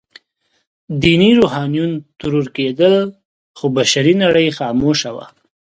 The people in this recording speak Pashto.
ديني روحانيون ترور کېدل، خو بشري نړۍ خاموشه وه.